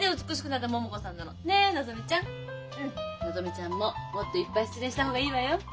のぞみちゃんももっといっぱい失恋した方がいいわよ。